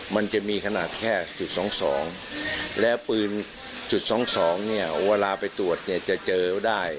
มันจะมีขนาดแค่จุด๒๒แล้วปืนจุด๒๒เนี่ยเวลาไปตรวจเนี่ยจะเจอได้